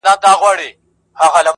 • په وطن کي که پاچا که واکداران دي -